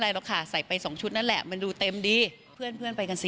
ไรหรอกค่ะใส่ไป๒ชุดนั่นแหละมันดูเต็มดีเพื่อนไปกัน